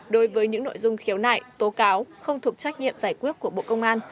đối với những nội dung khiếu nại tố cáo không thuộc trách nhiệm giải quyết của bộ công an